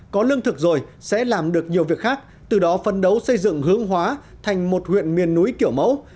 có lương thực rồi sẽ làm được nhiều việc khác từ đó phân đấu xây dựng hướng hóa thành một huyện miền núi kiểu mẫu